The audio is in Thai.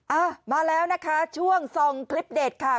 อ่ะมาแล้วนะคะช่วงส่องคลิปเด็ดค่ะ